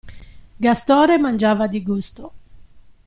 Gastone mangiava di gusto.